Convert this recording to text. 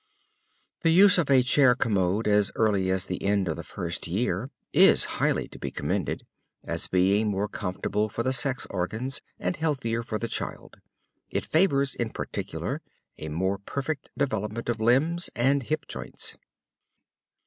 The use of a chair commode as early as the end of the first year is highly to be commended, as being more comfortable for the sex organs and healthier for the child. It favors, in particular, a more perfect development of limbs and hip joints.